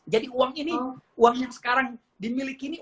jadi uang ini uang yang sekarang dimiliki ini